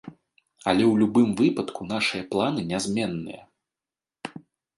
Але ў любым выпадку нашыя планы нязменныя.